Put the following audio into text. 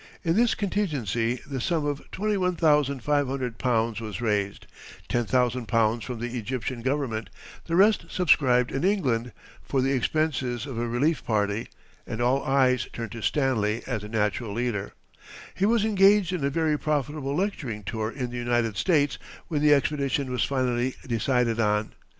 In this contingency the sum of £21,500 was raised £10,000 from the Egyptian Government, the rest subscribed in England for the expenses of a relief party, and all eyes turned to Stanley as the natural leader. He was engaged in a very profitable lecturing tour in the United States when the expedition was finally decided on.